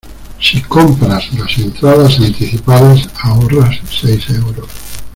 Si compras las entradas anticipadas ahorras seis euros.